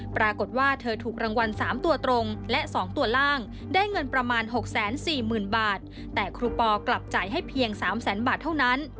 ปรากฏว่าเธอถูกรางวัลสามตัวตรงและสองตัวล่างได้เงินประมาณหกแสนสี่หมื่นบาทแต่ครูปอร์กลับจ่ายให้เพียงสามแสนบาทเท่านั้น